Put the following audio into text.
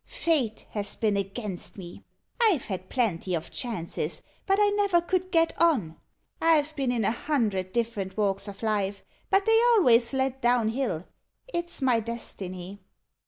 Fate has been against me. I've had plenty of chances, but I never could get on. I've been in a hundred different walks of life, but they always led down hill. It's my destiny."